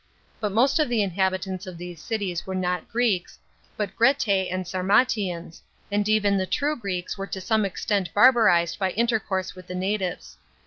But most of the inhabitants of these cities were not Greeks, but Getae and Sarmatiaus, and even the true Greeks were to some extent barbarised by intercourse with the natives.